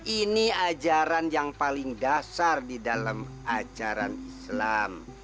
ini ajaran yang paling dasar di dalam ajaran islam